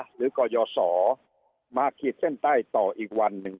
หรือก้อยาวสมาเขียนเส้นใต้ต่ออีกวันนึง